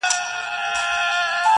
• زه مي د زلمیو شپو توبه یمه ماتېږمه -